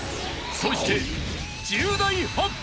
［そして］